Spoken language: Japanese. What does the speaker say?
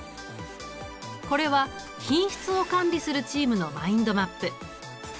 これは品質を管理するチームのマインドマップ。